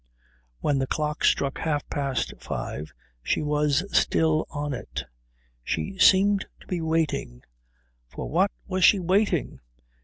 When the clock struck half past five she was still on it. She seemed to be waiting. For what was she waiting?